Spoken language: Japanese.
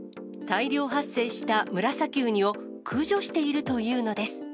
大量発生したムラサキウニを駆除しているというのです。